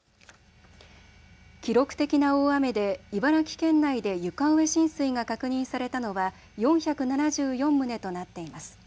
記録的な大雨で茨城県内で床上浸水が確認されたのは４７４棟となっています。